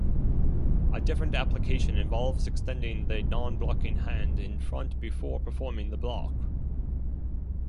A different application involves extending the non-blocking hand in front before performing the block.